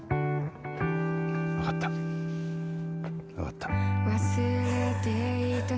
わかったわかった。